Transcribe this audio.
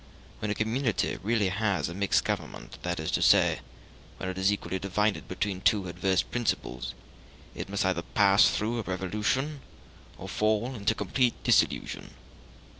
When a community really has a mixed government, that is to say, when it is equally divided between two adverse principles, it must either pass through a revolution or fall into complete dissolution.